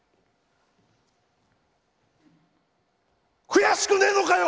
悔しくねえのかよ！